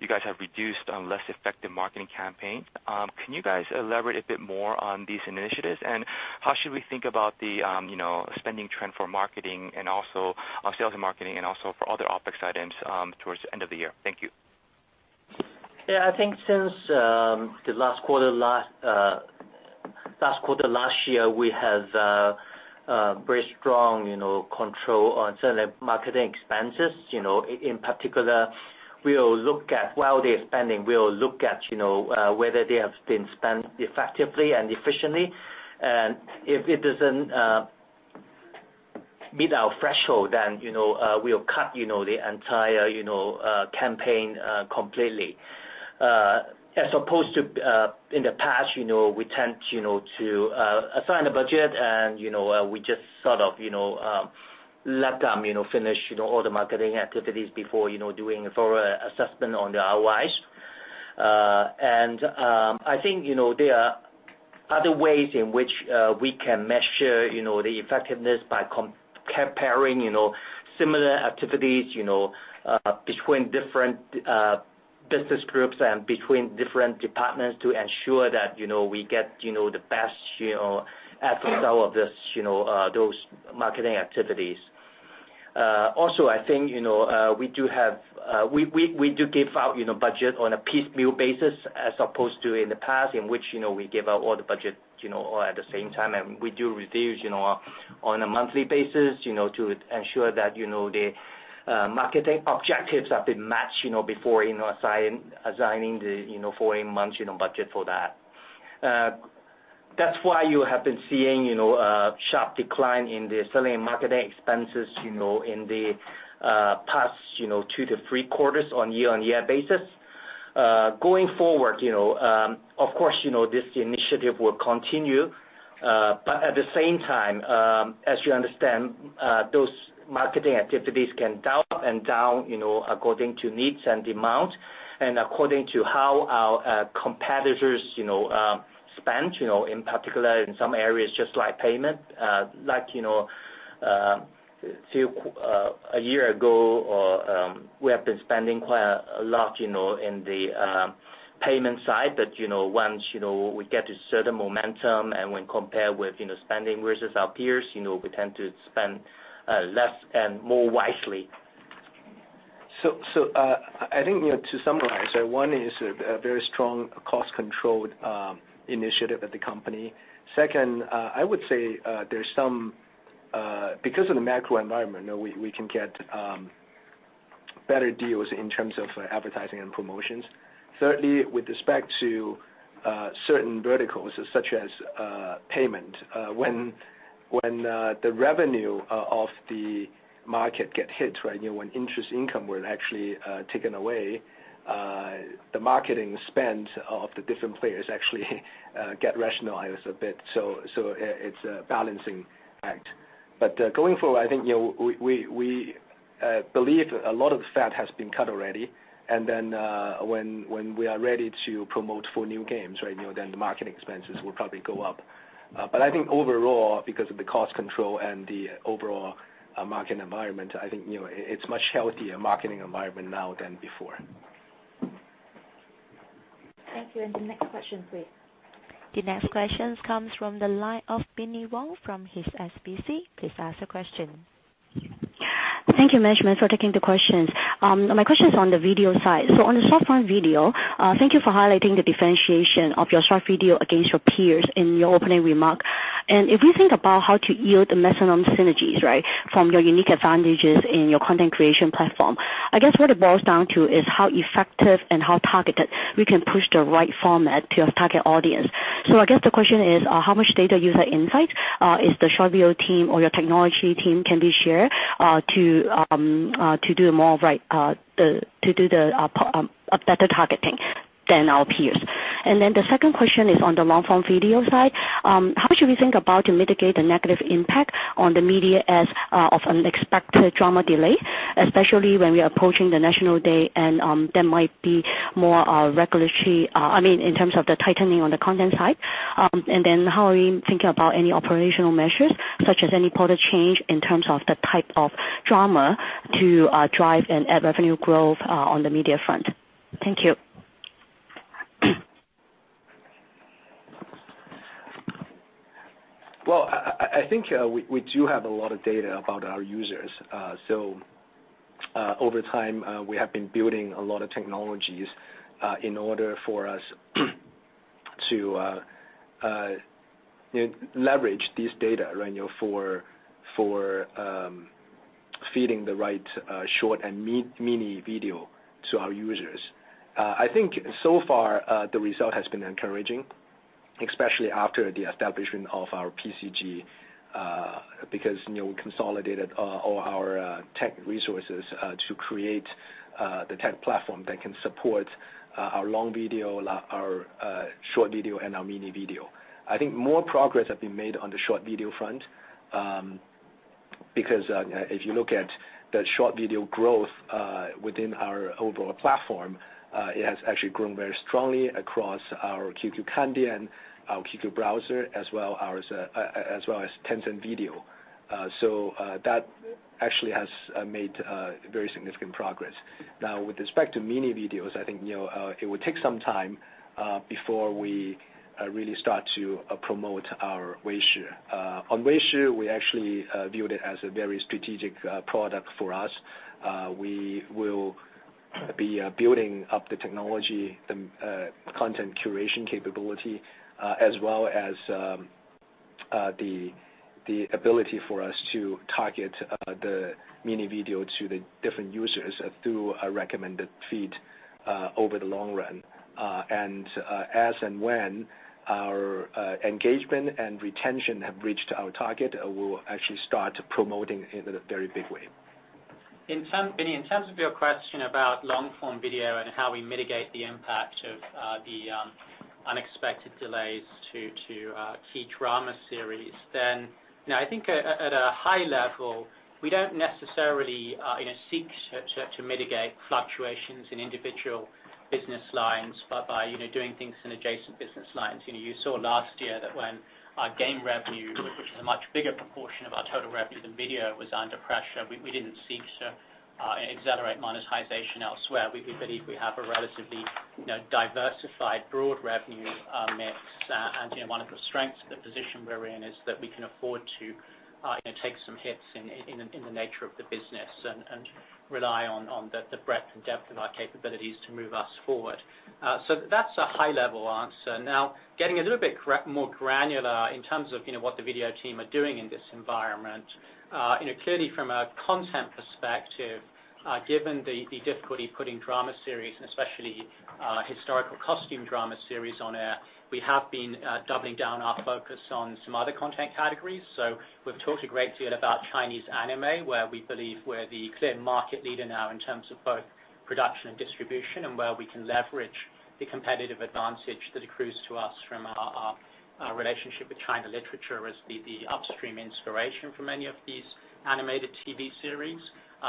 you guys have reduced on less effective marketing campaign. Can you guys elaborate a bit more on these initiatives? How should we think about the spending trend for marketing and also on sales and marketing and also for other OpEx items towards the end of the year? Thank you. Yeah. I think since the last quarter last year, we have very strong control on selling marketing expenses. In particular, where they are spending, we'll look at whether they have been spent effectively and efficiently. If it doesn't meet our threshold, then we'll cut the entire campaign completely. As opposed to in the past, we tend to assign a budget, and we just sort of let them finish all the marketing activities before doing a thorough assessment on the ROIs. I think there are other ways in which we can measure the effectiveness by comparing similar activities between different business groups and between different departments to ensure that we get the best efforts out of those marketing activities. Also, I think we do give out budget on a piecemeal basis as opposed to in the past, in which we give out all the budget all at the same time, and we do reviews on a monthly basis to ensure that the marketing objectives have been matched before assigning the following month's budget for that. That's why you have been seeing sharp decline in the selling and marketing expenses in the past 2 to 3 quarters on year-on-year basis. Going forward, of course, this initiative will continue, but at the same time, as you understand, those marketing activities can go up and down according to needs and demand, and according to how our competitors spend, in particular in some areas just like payment. Like a year ago, we have been spending quite a lot in the payment side, but once we get a certain momentum and when compared with spending versus our peers, we tend to spend less and more wisely. I think to summarize, one is a very strong cost-controlled initiative at the company. Second, I would say because of the macro environment, we can get better deals in terms of advertising and promotions. Thirdly, with respect to certain verticals such as payment, when the revenue of the market get hit, when interest income were actually taken away, the marketing spend of the different players actually get rationalized a bit. Going forward, I think we believe a lot of fat has been cut already, and then when we are ready to promote four new games, then the marketing expenses will probably go up. I think overall, because of the cost control and the overall marketing environment, I think it's much healthier marketing environment now than before. Thank you. The next question please. The next question comes from the line of Binnie Wong from HSBC. Please ask the question. Thank you, management, for taking the questions. My question is on the video side. On the short form video, thank you for highlighting the differentiation of your short video against your peers in your opening remark. If we think about how to yield the maximum synergies from your unique advantages in your content creation platform, I guess what it boils down to is how effective and how targeted we can push the right format to your target audience. I guess the question is, how much data user insight is the short video team or your technology team can be shared to do the better targeting than our peers? The second question is on the long form video side. How should we think about to mitigate the negative impact on the media as of unexpected drama delay, especially when we are approaching the National Day and there might be more regulatory in terms of the tightening on the content side? How are you thinking about any operational measures, such as any product change in terms of the type of drama to drive and add revenue growth on the media front? Thank you. Well, I think we do have a lot of data about our users. Over time, we have been building a lot of technologies in order for us to leverage this data for. feeding the right short and mini video to our users. I think so far, the result has been encouraging, especially after the establishment of our PCG, because we consolidated all our tech resources to create the tech platform that can support our long video, our short video, and our mini video. I think more progress has been made on the short video front, because if you look at the short video growth within our overall platform, it has actually grown very strongly across our QQ Kandian and our QQ Browser, as well as Tencent Video. That actually has made very significant progress. Now, with respect to mini videos, I think it would take some time before we really start to promote our Weishi. On Weishi, we actually viewed it as a very strategic product for us. We will be building up the technology, the content curation capability, as well as the ability for us to target the mini video to the different users through a recommended feed over the long run. As and when our engagement and retention have reached our target, we will actually start promoting in a very big way. Binnie, in terms of your question about long-form video and how we mitigate the impact of the unexpected delays to key drama series, I think at a high level, we don't necessarily seek to mitigate fluctuations in individual business lines by doing things in adjacent business lines. You saw last year that when our game revenue, which is a much bigger proportion of our total revenue than video, was under pressure, we didn't seek to accelerate monetization elsewhere. One of the strengths of the position we're in is that we can afford to take some hits in the nature of the business and rely on the breadth and depth of our capabilities to move us forward. That's a high-level answer. Getting a little bit more granular in terms of what the video team are doing in this environment, clearly from a content perspective, given the difficulty of putting drama series and especially historical costume drama series on air, we have been doubling down our focus on some other content categories. We've talked a great deal about Chinese anime, where we believe we're the clear market leader now in terms of both production and distribution, and where we can leverage the competitive advantage that accrues to us from our relationship with China Literature as the upstream inspiration for many of these animated TV series.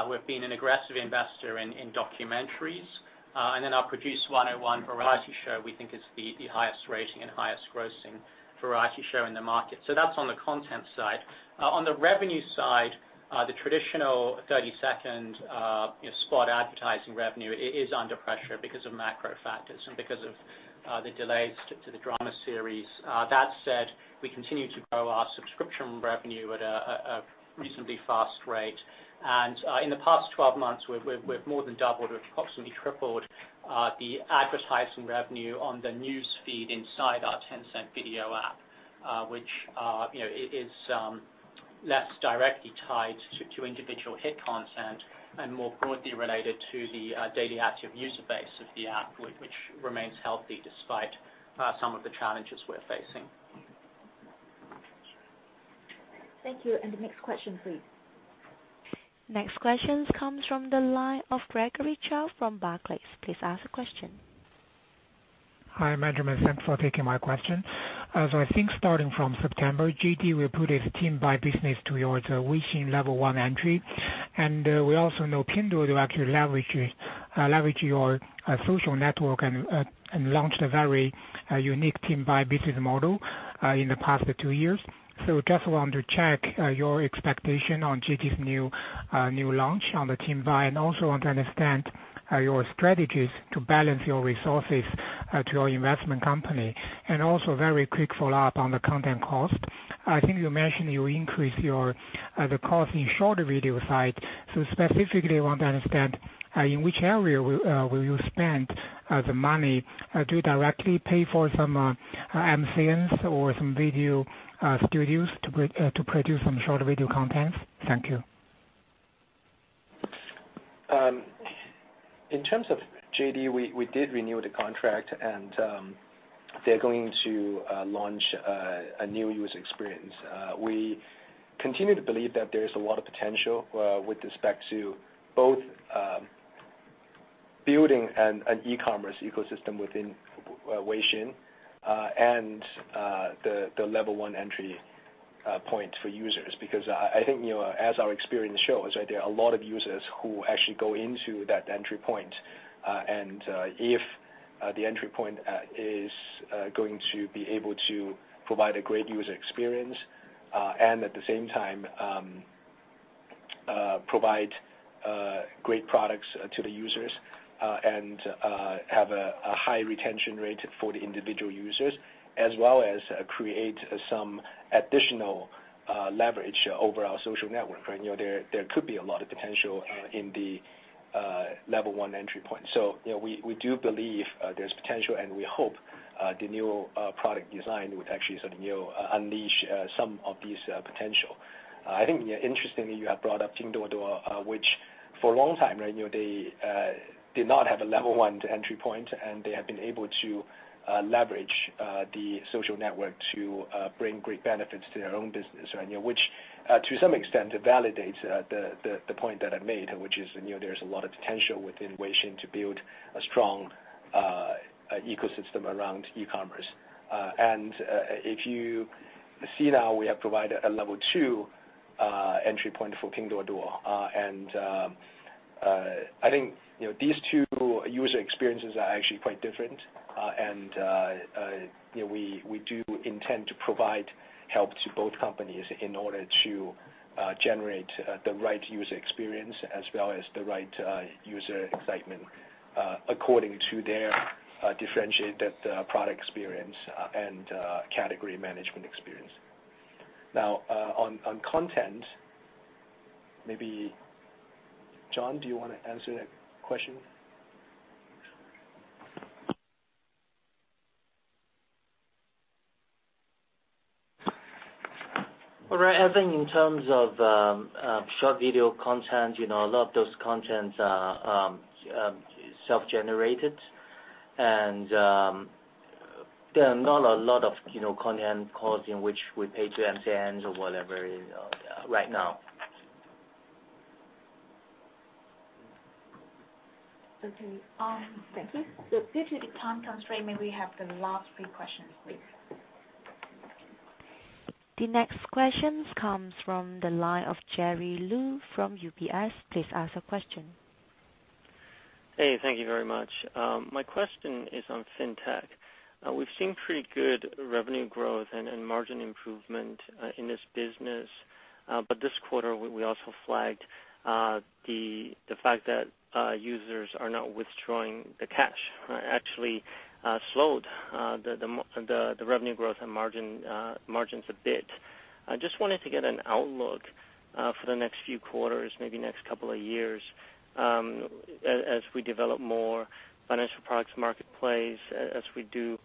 We've been an aggressive investor in documentaries. Our Produce 101 variety show, we think is the highest-rating and highest-grossing variety show in the market. That's on the content side. On the revenue side, the traditional 30-second spot advertising revenue is under pressure because of macro factors and because of the delays to the drama series. That said, we continue to grow our subscription revenue at a reasonably fast rate. In the past 12 months, we've approximately tripled the advertising revenue on the news feed inside our Tencent Video app, which is less directly tied to individual hit content and more broadly related to the daily active user base of the app, which remains healthy despite some of the challenges we're facing. Thank you. The next question, please. Next question comes from the line of Gregory Zhao from Barclays. Please ask the question. Hi, management. Thanks for taking my question. I think starting from September, JD will put its team-buy business towards Weixin level 1 entry. We also know Pinduoduo actually leverage your social network and launched a very unique team-buy business model in the past two years. Just want to check your expectation on JD's new launch on the team buy, and also want to understand your strategies to balance your resources to your investment company. Also very quick follow-up on the content cost. I think you mentioned you increase the cost in short video side, so specifically want to understand in which area will you spend the money. Do you directly pay for some MCNs or some video studios to produce some short video content? Thank you. In terms of JD, we did renew the contract, and they're going to launch a new user experience. We continue to believe that there's a lot of potential with respect to both building an e-commerce ecosystem within Weixin and the level 1 entry point for users, because I think as our experience shows, there are a lot of users who actually go into that entry point. If the entry point is going to be able to provide a great user experience, and at the same time provide great products to the users and have a high retention rate for the individual users as well as create some additional leverage over our social network. There could be a lot of potential in the level 1 entry point. We do believe there's potential, and we hope, the new product design would actually sort of unleash some of these potential. I think, interestingly, you have brought up Pinduoduo, which for a long time they did not have a level one entry point, and they have been able to leverage the social network to bring great benefits to their own business. Which to some extent, it validates the point that I made, which is there's a lot of potential within Weixin to build a strong ecosystem around e-commerce. If you see now we have provided a level 2 entry point for Pinduoduo. I think these two user experiences are actually quite different. We do intend to provide help to both companies in order to generate the right user experience as well as the right user excitement, according to their differentiated product experience, and category management experience. On content, maybe John, do you want to answer that question? All right. I think in terms of short video content, a lot of those contents are self-generated and, there are not a lot of content costs in which we pay to MCNs or whatever right now. Okay. Thank you. Due to the time constraint, may we have the last three questions, please? The next questions comes from the line of Jerry Liu from UBS. Please ask your question. Hey, thank you very much. My question is on FinTech. We've seen pretty good revenue growth and margin improvement in this business. This quarter we also flagged the fact that users are now withdrawing the cash, actually slowed the revenue growth and margins a bit. I just wanted to get an outlook for the next few quarters, maybe next couple of years, as we develop more financial products marketplace, as we do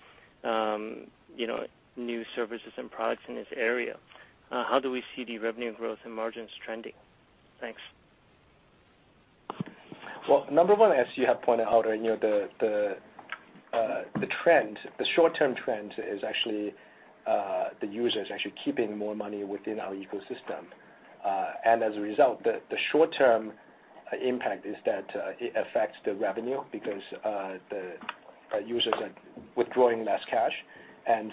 new services and products in this area. How do we see the revenue growth and margins trending? Thanks. Well, number one, as you have pointed out, the short-term trend is actually the user is actually keeping more money within our ecosystem. As a result, the short-term impact is that it affects the revenue because the users are withdrawing less cash.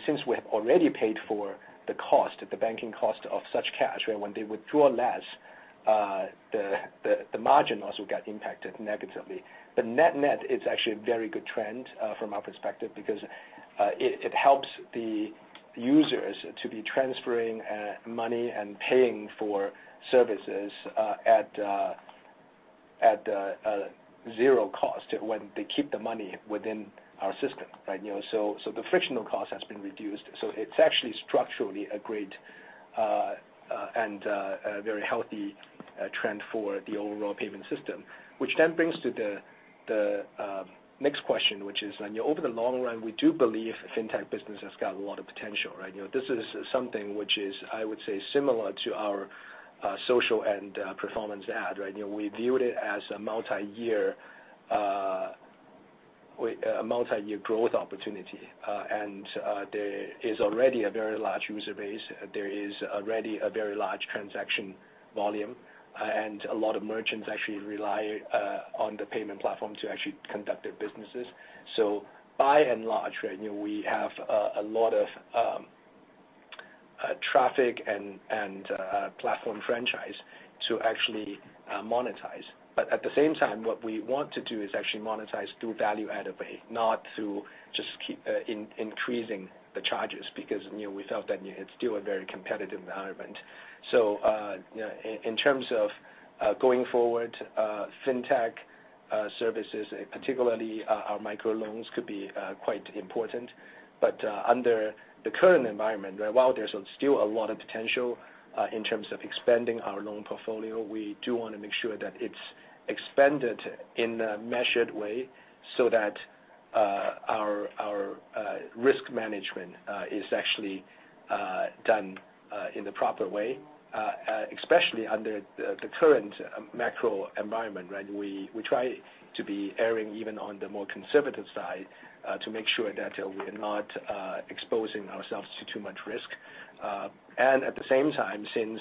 Since we have already paid for the cost, the banking cost of such cash, when they withdraw less, the margin also got impacted negatively. Net-net, it's actually a very good trend, from our perspective, because it helps the users to be transferring money and paying for services at a zero cost when they keep the money within our system, right? The frictional cost has been reduced. It's actually structurally a great and a very healthy trend for the overall payment system. Which brings to the next question, which is, over the long run, we do believe FinTech business has got a lot of potential, right? This is something which is, I would say, similar to our social and performance ad, right? We viewed it as a multi-year growth opportunity. There is already a very large user base. There is already a very large transaction volume, a lot of merchants actually rely on the payment platform to actually conduct their businesses. By and large, we have a lot of traffic and platform franchise to actually monetize. At the same time, what we want to do is actually monetize through value-added way, not through just keep increasing the charges because we felt that it's still a very competitive environment. In terms of going forward, FinTech services, particularly our microloans, could be quite important. Under the current environment, while there's still a lot of potential in terms of expanding our loan portfolio, we do want to make sure that it's expanded in a measured way, so that our risk management is actually done in the proper way, especially under the current macro environment, right? We try to be erring even on the more conservative side, to make sure that we're not exposing ourselves to too much risk. At the same time, since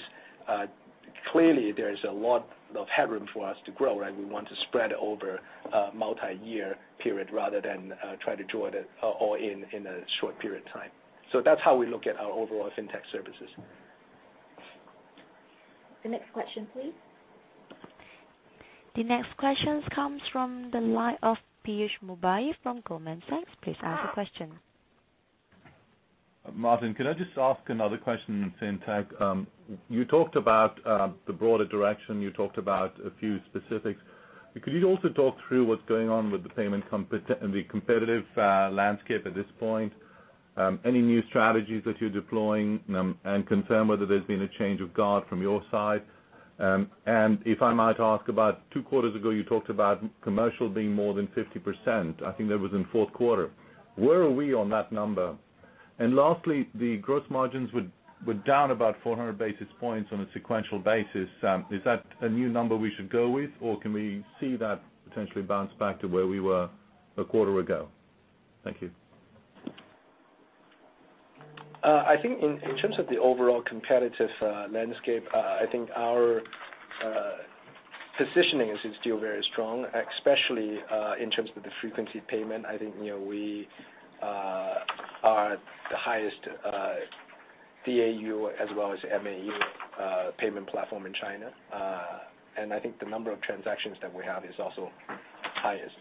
clearly there is a lot of headroom for us to grow, right? We want to spread over a multi-year period rather than try to draw it all in a short period of time. That's how we look at our overall FinTech services. The next question, please. The next questions comes from the line of Piyush Mubayi from Goldman Sachs. Please ask a question. Martin, can I just ask another question on FinTech? You talked about the broader direction, you talked about a few specifics. Could you also talk through what's going on with the payment competitive landscape at this point? Confirm whether there's been a change of guard from your side. If I might ask about 2 quarters ago, you talked about commercial being more than 50%. I think that was in fourth quarter. Where are we on that number? Lastly, the gross margins were down about 400 basis points on a sequential basis. Is that a new number we should go with, or can we see that potentially bounce back to where we were a quarter ago? Thank you. I think in terms of the overall competitive landscape, I think our positioning is still very strong, especially in terms of the frequency payment. I think we are the highest DAU as well as MAU payment platform in China. I think the number of transactions that we have is also highest.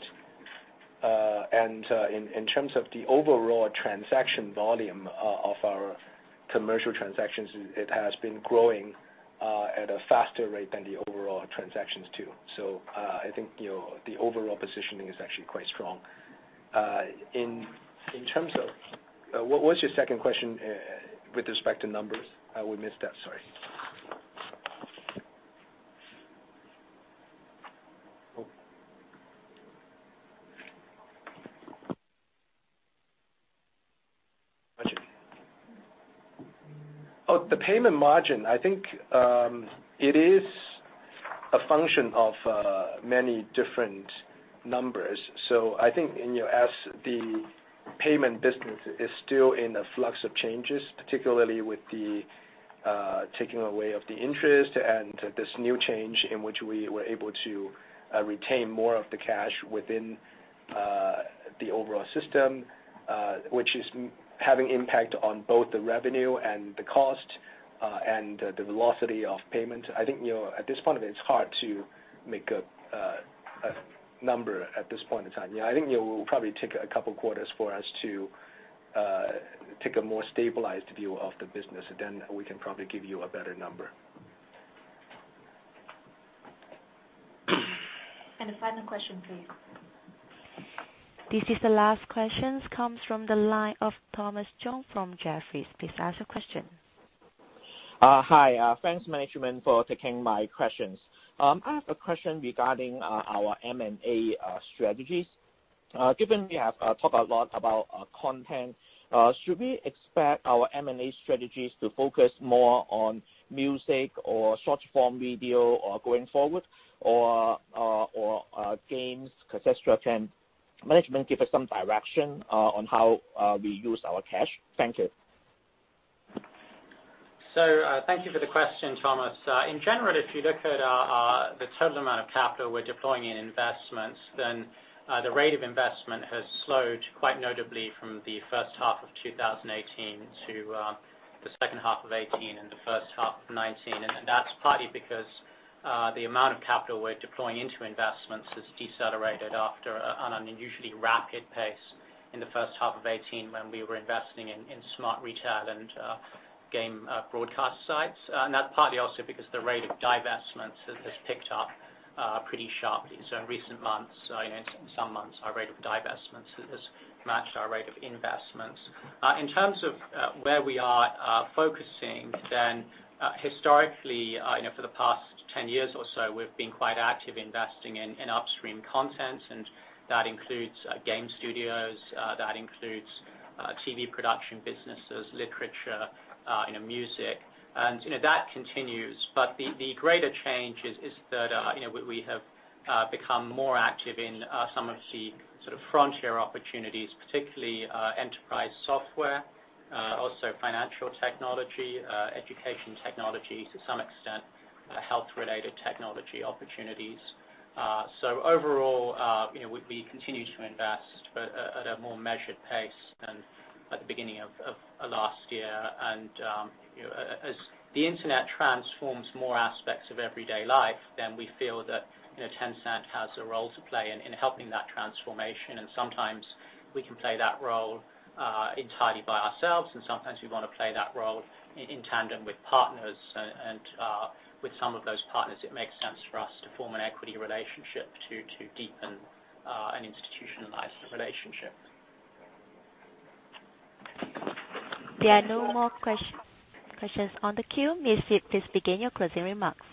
In terms of the overall transaction volume of our commercial transactions, it has been growing at a faster rate than the overall transactions too. I think the overall positioning is actually quite strong. What was your second question with respect to numbers? I would miss that, sorry. The payment margin, I think it is a function of many different numbers. I think as the payment business is still in a flux of changes, particularly with the taking away of the interest and this new change in which we were able to retain more of the cash within the overall system, which is having impact on both the revenue and the cost, and the velocity of payment. At this point, it's hard to make a number at this point in time. It will probably take a couple quarters for us to take a more stabilized view of the business, then we can probably give you a better number. The final question, please. This is the last question. Comes from the line of Thomas Chong from Jefferies. Please ask your question. Hi. Thanks, management, for taking my questions. I have a question regarding our M&A strategies. Given we have talked a lot about content, should we expect our M&A strategies to focus more on music or short-form video going forward, or games, et cetera? Can management give us some direction on how we use our cash? Thank you. Thank you for the question, Thomas. In general, if you look at the total amount of capital we're deploying in investments, then the rate of investment has slowed quite notably from the first half of 2018 to the second half of 2018 and the first half of 2019. That's partly because the amount of capital we're deploying into investments has decelerated after, on an unusually rapid pace in the first half of 2018 when we were investing in smart retail and game broadcast sites. That's partly also because the rate of divestments has picked up pretty sharply. In recent months, in some months, our rate of divestments has matched our rate of investments. In terms of where we are focusing, historically, for the past 10 years or so, we've been quite active investing in upstream content, and that includes game studios, that includes TV production businesses, literature, music. That continues. The greater change is that we have become more active in some of the sort of frontier opportunities, particularly enterprise software, also financial technology, education technology to some extent, health-related technology opportunities. Overall, we continue to invest, but at a more measured pace than at the beginning of last year. As the internet transforms more aspects of everyday life, then we feel that Tencent has a role to play in helping that transformation. Sometimes we can play that role entirely by ourselves, and sometimes we want to play that role in tandem with partners. With some of those partners, it makes sense for us to form an equity relationship to deepen an institutionalized relationship. There are no more questions on the queue. May you please begin your closing remarks.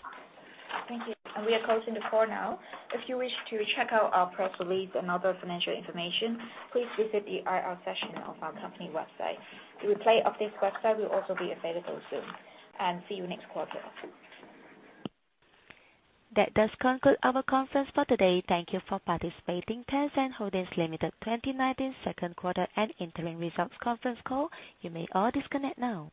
Thank you. We are closing the call now. If you wish to check out our press release and other financial information, please visit the IR section of our company website. The replay of this webcast will also be available soon. See you next quarter. That does conclude our conference for today. Thank you for participating. Tencent Holdings Limited 2019 second quarter and interim results conference call. You may all disconnect now.